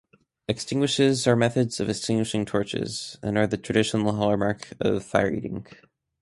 Extinguishes are methods of extinguishing torches, and are the traditional hallmark of fire eating.